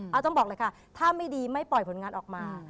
เอาต้องบอกเลยค่ะถ้าไม่ดีไม่ปล่อยผลงานออกมา